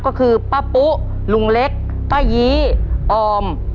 ก็คือป้าปุ๊ลุงเล็กป้ายีออม